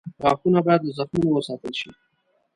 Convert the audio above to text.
غاښونه باید له زخمونو وساتل شي.